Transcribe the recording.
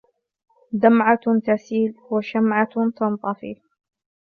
دمعة تسيل وشمعة تنطفي